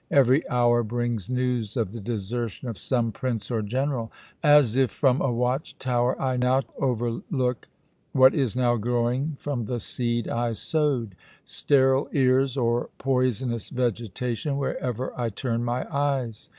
Every hour brings news of the desertion of some prince or general. As if from a watch tower, I now overlook what is growing from the seed I sowed. Sterile ears or poisonous vegetation, wherever I turn my eyes.